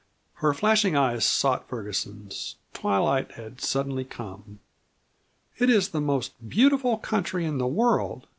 Her flashing eyes sought Ferguson's. Twilight had suddenly come. "It is the most beautiful country in the world!"